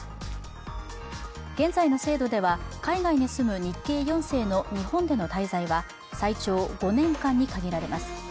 現在の制度では海外に住む日系４世の日本での滞在は最長５年間に限られます。